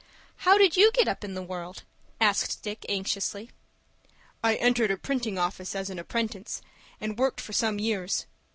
"How did you get up in the world," asked Dick, anxiously. "I entered a printing office as an apprentice, and worked for some years.